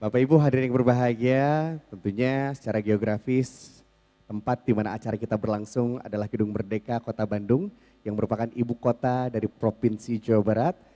bapak ibu hadirin yang berbahagia tentunya secara geografis tempat di mana acara kita berlangsung adalah gedung merdeka kota bandung yang merupakan ibu kota dari provinsi jawa barat